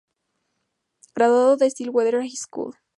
Graduado de Stillwater High School.